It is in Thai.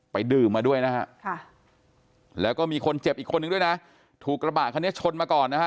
ดื่มมาด้วยนะฮะแล้วก็มีคนเจ็บอีกคนนึงด้วยนะถูกกระบะคันนี้ชนมาก่อนนะฮะ